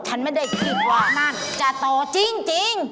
ฉันไม่ได้คิดว่าจะต่อจริง